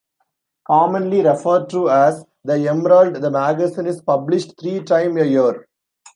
Commonly referred to as "The Emerald", the magazine is published three time a year.